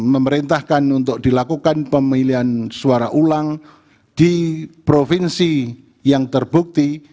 memerintahkan untuk dilakukan pemilihan suara ulang di provinsi yang terbukti